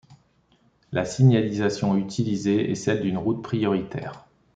La signalisation utilisée est celle d’une route prioritaire.